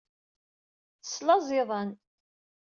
Teslaẓ iḍan.